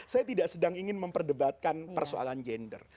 saya tidak sedang ingin memperdebatkan persoalan gender